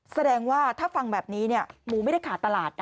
แสดงว่าถ้าฟังแบบนี้หมูไม่ได้ขาดตลาดนะ